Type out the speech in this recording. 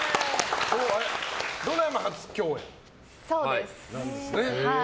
ドラマ初共演なんですね。